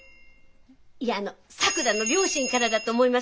いやあのさくらの両親からだと思いますの。